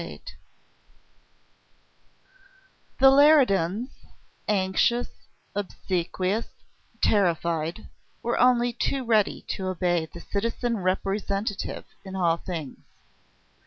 VIII The Leridans, anxious, obsequious, terrified, were only too ready to obey the citizen Representative in all things.